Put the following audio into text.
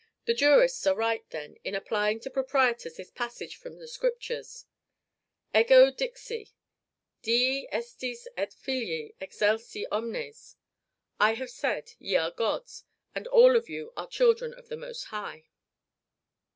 The jurists are right, then, in applying to proprietors this passage from the Scriptures, Ego dixi: Dii estis et filii Excelsi omnes, "I have said, Ye are gods; and all of you are children of the Most High."